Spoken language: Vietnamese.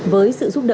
với sự giúp đỡ